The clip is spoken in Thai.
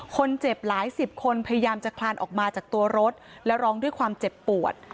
คนเจ็บหลายสิบคนพยายามจะคลานออกมาจากตัวรถและร้องด้วยความเจ็บปวด